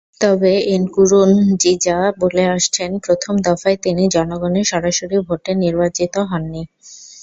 তবে এনকুরুনজিজা বলে আসছেন, প্রথম দফায় তিনি জনগণের সরাসরি ভোটে নির্বাচিত হননি।